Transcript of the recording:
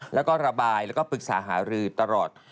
แล้วก็ระบายแล้วก็ปรึกษาหารือตลอด